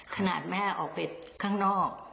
ขนาดแม่ออกไปข้างนอก